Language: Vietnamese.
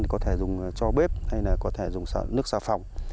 thì có thể dùng cho bếp hay là có thể dùng nước xào phòng